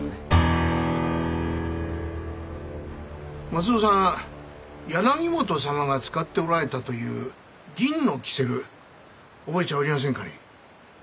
松蔵さんは柳本様が使っておられたという銀のキセル覚えちゃおりやせんかね？